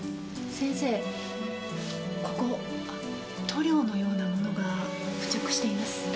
塗料のようなものが付着しています。